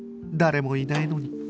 誰もいないのに